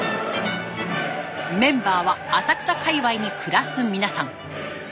メンバーは浅草界わいに暮らす皆さん。